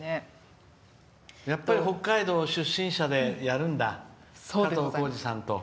北海道出身者でやるんだ加藤浩次さんと。